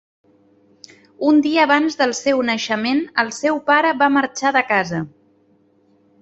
Un dia abans del seu naixement, el seu pare va marxar de casa.